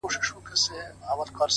مُلاجان ویل ه; د پنجاب چټي په نام دي;